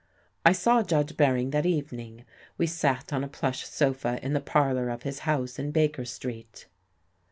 I saw Judge Bering that evening. We sat on a plush sofa in the parlour of his house in Baker Street.